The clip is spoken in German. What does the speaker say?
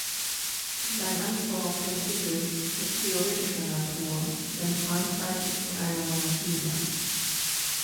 Sein Anspruch auf den Titel ist theoretischer Natur, denn Frankreich ist keine Monarchie mehr.